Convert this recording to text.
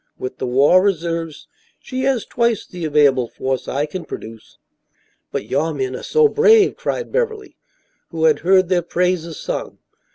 With the war reserves she has twice the available force I can produce." "But your men are so brave," cried Beverly, who had heard their praises sung.